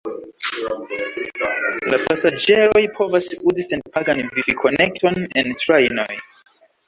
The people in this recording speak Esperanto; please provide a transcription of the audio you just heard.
La pasaĝeroj povas uzi senpagan vifi-konekton en trajnoj.